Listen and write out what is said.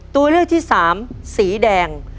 ตัวเลือกที่สามสีแดง